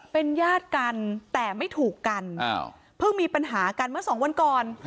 เป็นญาติกันแต่ไม่ถูกกันเพิ่งมีปัญหากันเมื่อสองวันก่อน